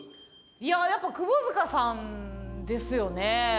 いややっぱ窪塚さんですよね。